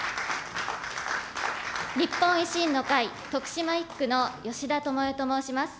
日本維新の会、徳島一区の吉田とも代と申します。